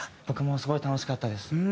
僕もすごい楽しかったです。